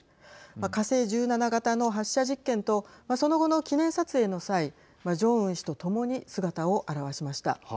火星１７型の発射実験とその後の記念撮影の際ジョンウン氏と共に姿を現しました。